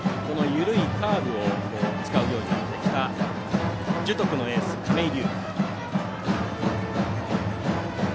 緩いカーブを使うようになってきた樹徳のエース、亀井颯玖。